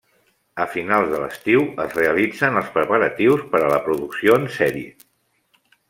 A finals de l'estiu es realitzen els preparatius per a la producció en sèrie.